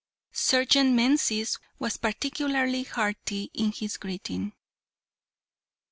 Sergeant Menzies was particularly hearty in his greeting.